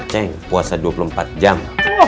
ceng puasa dua puluh empat jam